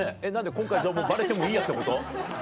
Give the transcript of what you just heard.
今回じゃあもうバレてもいいやってこと？